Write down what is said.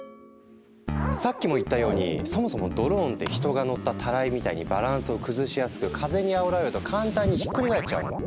さっきも言ったようにそもそもドローンって人が乗ったタライみたいにバランスを崩しやすく風にあおられると簡単にひっくり返っちゃうの。